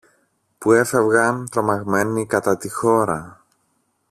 που έφευγαν τρομαγμένοι κατά τη χώρα.